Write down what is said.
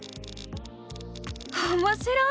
おもしろい！